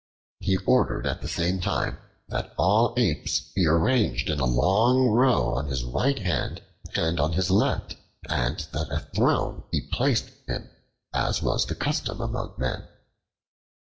He ordered at the same time that all the Apes be arranged in a long row on his right hand and on his left, and that a throne be placed for him, as was the custom among men.